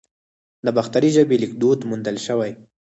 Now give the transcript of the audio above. د باختري ژبې لیکدود موندل شوی